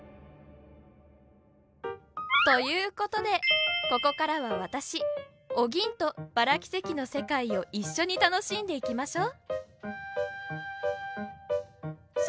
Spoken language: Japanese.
ということでここからは私お銀とバラ輝石の世界を一緒に楽しんでいきましょう。